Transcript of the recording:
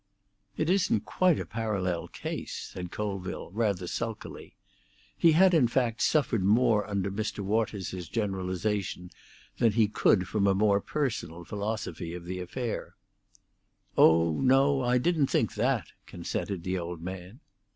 "It isn't quite a parallel case," said Colville, rather sulkily. He had, in fact, suffered more under Mr. Waters's generalisation than he could from a more personal philosophy of the affair. "Oh no; I didn't think that," consented the old man.